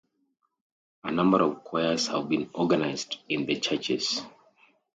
A number of choirs have been organized in the churches.